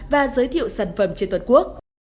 và giới thiệu sản phẩm trên toàn quốc